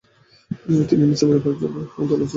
তিনি নীচু পরিবারে জন্মের জন্য বলেছিলেন।